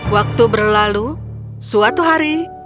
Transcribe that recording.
waktu berlalu suatu hari